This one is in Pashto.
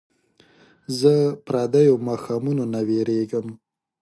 زه پردیو ماښامونو نه ویرېږم